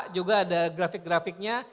juga ada grafik grafiknya